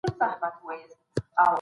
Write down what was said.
نيم ساعت دېرش دقيقې لري.